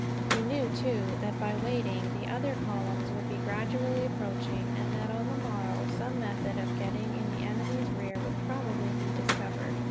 He knew, too, that by waiting, the other columns would be gradually approaching; and that, on the morrow, some method of getting in the enemy's rear would probably be discovered.